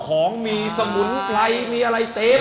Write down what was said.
ของมีสมุนไพรมีอะไรเต็ม